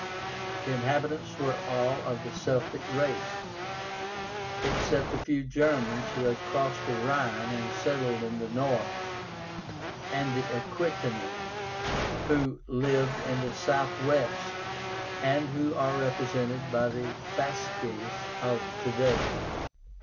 The inhabitants were all of the Celtic race, except a few Germans who had crossed the Rhine and settled in the North, and the AQUITÁNI, who lived in the Southwest and who are represented by the Basques of to day.